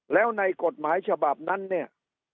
แล้วในกฎหมายฉบับนั้นเนี่ย